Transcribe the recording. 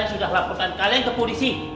saya sudah laporkan kalian ke posisi